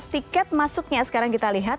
tiket masuknya sekarang kita lihat